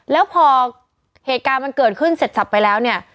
แล้วพอเหตุการณ์มันเกิดขึ้นเสร็จสับไปแล้วเนี่ย